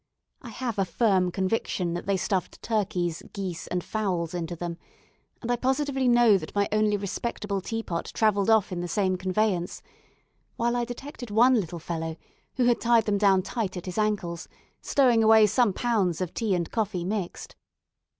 I have a firm conviction that they stuffed turkeys, geese, and fowls into them, and I positively know that my only respectable teapot travelled off in the same conveyance, while I detected one little fellow, who had tied them down tight at his ankles, stowing away some pounds of tea and coffee mixed.